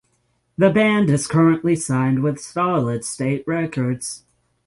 The band is currently signed with Solid State Records.